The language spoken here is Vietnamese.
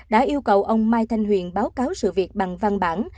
đã yêu cầu ông mai thanh huyền báo cáo sự việc bằng văn bản